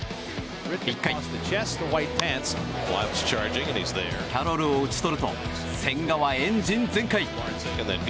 １回キャロルを打ち取ると千賀は、エンジン全開！